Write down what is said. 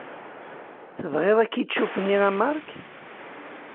Tebɣiḍ akičup-nni a Marc?